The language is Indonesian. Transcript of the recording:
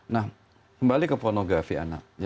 nah kembali ke pornografi anak